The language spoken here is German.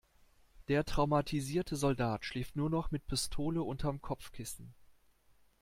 Der traumatisierte Soldat schläft nur noch mit Pistole unterm Kopfkissen.